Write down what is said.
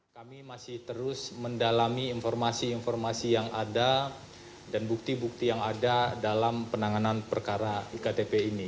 kami masih terus mendalami informasi informasi yang ada dan bukti bukti yang ada dalam penanganan perkara iktp ini